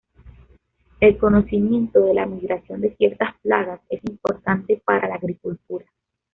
El conocimiento de la migración de ciertas plagas es importante para la agricultura.